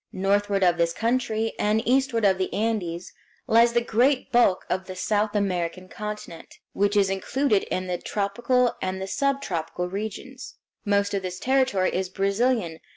Northward of this country, and eastward of the Andes, lies the great bulk of the South American continent, which is included in the tropical and the subtropical regions. Most of this territory is Brazilian.